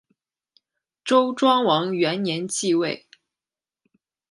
周庄王元年即位。